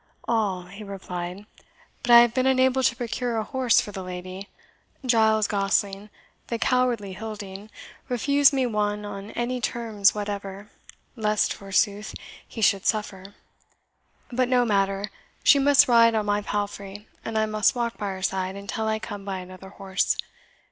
"All," he replied; "but I have been unable to procure a horse for the lady. Giles Gosling, the cowardly hilding, refused me one on any terms whatever, lest, forsooth, he should suffer. But no matter; she must ride on my palfrey, and I must walk by her side until I come by another horse.